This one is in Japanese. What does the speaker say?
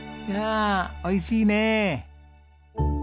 いやおいしいね。